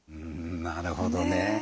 なるほどね。